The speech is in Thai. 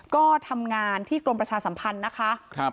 ก็ทำงานที่กรมประชาสัมพันธ์นะคะ